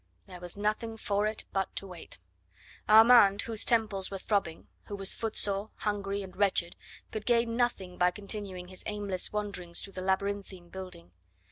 There was nothing for it but to wait. Armand, whose temples were throbbing, who was footsore, hungry, and wretched, could gain nothing by continuing his aimless wanderings through the labyrinthine building.